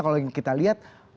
kalau kita lihat